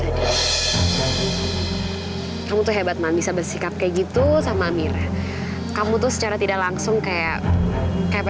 dan sudah lengkap